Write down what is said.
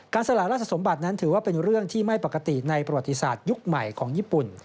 สละราชสมบัตินั้นถือว่าเป็นเรื่องที่ไม่ปกติในประวัติศาสตร์ยุคใหม่ของญี่ปุ่น